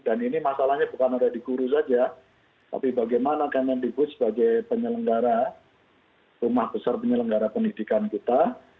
ini masalahnya bukan ada di guru saja tapi bagaimana kemendikbud sebagai penyelenggara rumah besar penyelenggara pendidikan kita